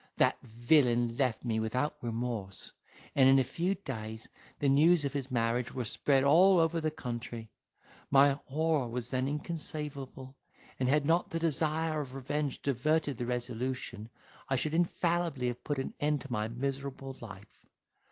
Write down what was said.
That villain left me without remorse, and in a few days the news of his marriage were spread all over the country. My horror was then inconceivable; and had not the desire of revenge diverted the resolution, I should infallibly have put an end to my miserable life.